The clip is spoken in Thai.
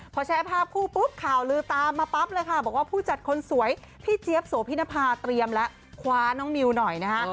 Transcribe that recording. พอแชร์ภาพคู่ปุ๊บข่าวลือตามมาปั๊บเลยค่ะบอกว่าผู้จัดคนสวยพี่เจี๊ยบโสพินภาเตรียมแล้วคว้าน้องนิวหน่อยนะฮะ